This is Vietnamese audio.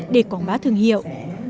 để quảng bá thương hiệu